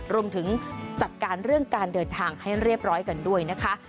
รวมถึงจัดการเรื่องการเดินทางให้เรียบร้อยกันด้วยนะคะ